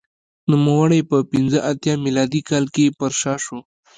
نوموړی په پنځه اتیا میلادي کال کې پرشا شو